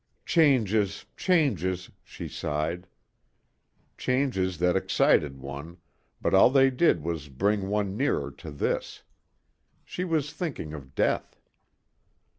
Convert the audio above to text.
"Changes, changes," she sighed. Changes that excited one, but all they did was bring one nearer to this. She was thinking of death.